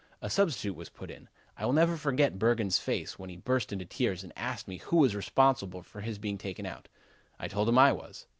A substitute was put in. I will never forget Bergen's face when he burst into tears and asked me who was responsible for his being taken out. I told him I was.